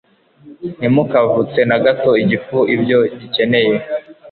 Ntimukavutse na gato igifu ibyo gikeneye